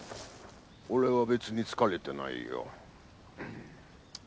俺は別に疲れてないよ。